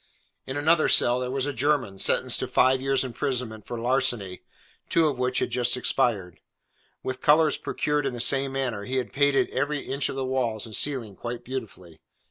In another cell, there was a German, sentenced to five years' imprisonment for larceny, two of which had just expired. With colours procured in the same manner, he had painted every inch of the walls and ceiling quite beautifully.